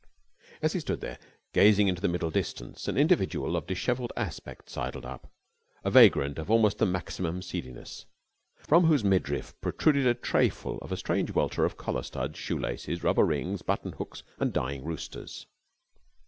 As he stood there, gazing into the middle distance, an individual of dishevelled aspect sidled up, a vagrant of almost the maximum seediness, from whose midriff there protruded a trayful of a strange welter of collar studs, shoe laces, rubber rings, buttonhooks, and dying roosters.